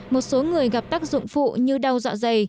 một số người gặp tác dụng phụ như đau dạ dày